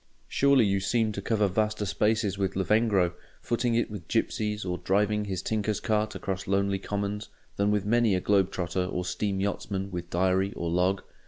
Surely you seem to cover vaster spaces with Lavengro, footing it with gipsies or driving his tinker's cart across lonely commons, than with many a globe trotter or steam yachtsman with diary or log?